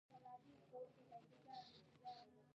زه د مشهورو پاچاهانو فرمانونه لوستل خوښوم.